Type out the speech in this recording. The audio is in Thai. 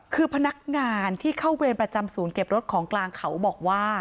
คือพนักงานที่เข้าเวรประจำศูนย์เก็บรถของกลางเขาบอกว่า